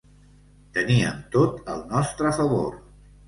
Teníem tot al nostre favor.